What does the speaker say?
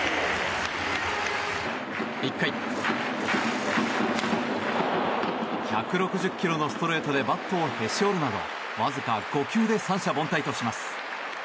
１回、１６０キロのストレートでバットをへし折るなどわずか５球で三者凡退とします。